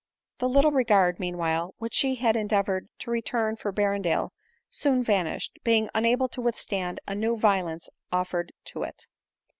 The little regard, meanwhile, which she had endeavored to return for Berrendale soon vanished, being unable to withstand a new violence offered to it.